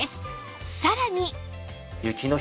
さらに